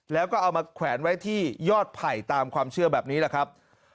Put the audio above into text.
แล้วก็เอามาแขวนไว้ที่ยอดไผ่ตามความเชื่อแบบนี้แหละครับ